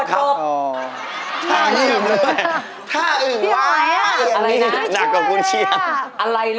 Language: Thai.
ท่าอึ่งเลยท่าอึ่งว้างท่าอึ่งนี้หนักกว่าคุณเชียงอะไรนะ